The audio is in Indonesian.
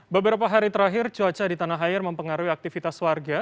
beberapa hari terakhir cuaca di tanah air mempengaruhi aktivitas warga